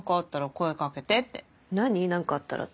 何かあったらって。